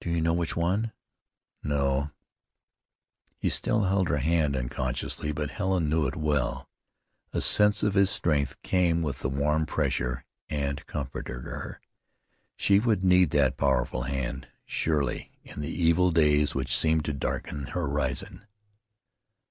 "Do you know which one?" "No." He still held her hand, unconsciously, but Helen knew it well. A sense of his strength came with the warm pressure, and comforted her. She would need that powerful hand, surely, in the evil days which seemed to darken the horizon.